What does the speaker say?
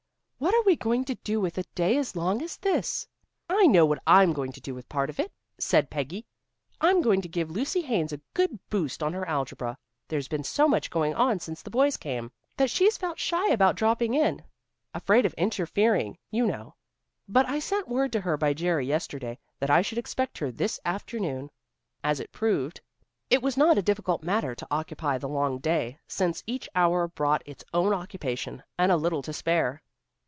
What are we going to do with a day as long as this?" "I know what I'm going to do with part of it," said Peggy. "I'm going to give Lucy Haines a good boost on her algebra. There's been so much going on since the boys came, that she's felt shy about dropping in. Afraid of interfering, you know. But I sent word to her by Jerry, yesterday, that I should expect her this afternoon." As it proved, it was not a difficult matter to occupy the long day, since each hour brought its own occupation and a little to spare.